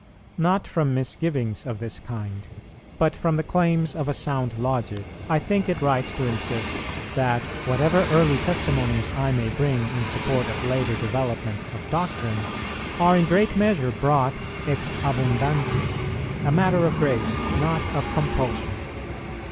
Not from misgivings of this kind, but from the claims of a sound logic, I think it right to insist, that, whatever early testimonies I may bring in support of later developments of doctrine, are in great measure brought ex abundante, a matter of grace, not of compulsion.